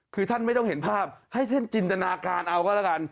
คือท่านไม่ต้องเห็นภาพให้ท่านจินตนาการเอาก็แล้วกัน